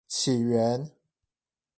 起源